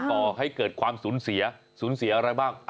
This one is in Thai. ก่อให้เกิดความสูญเสียสูญเสียอะไรบ้าง